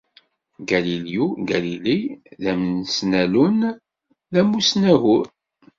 Galileo Galilei d amesnallun, d amussnayyur.